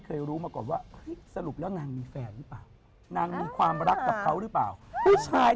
ขอบคุณค่ะ